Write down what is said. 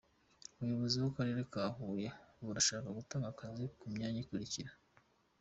Ubuyobozi bw’Akarere ka Huye burashaka gutanga akazi ku myanya ikurikira.